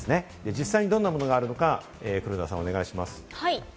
実際どんなものがあるのか黒田さん、お願いします。